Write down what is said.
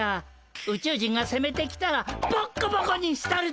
宇宙人がせめてきたらボッコボコにしたるで。